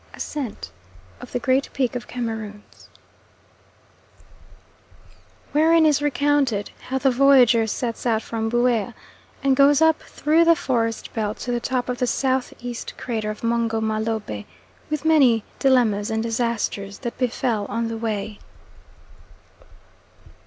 ASCENT OF THE GREAT PEAK OF CAMEROONS (continued). Wherein is recounted how the Voyager sets out from Buea, and goes up through the forest belt to the top of the S.E. crater of Mungo Mah Lobeh, with many dilemmas and disasters that befell on the way.